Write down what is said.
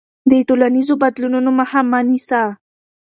د ټولنیزو بدلونونو مخه مه نیسه.